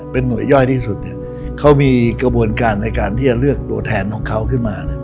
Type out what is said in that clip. เป็นหน่วยย่อยที่สุดเขามีกระบวนการในการที่จะเลือกตัวแทนของเขาขึ้นมา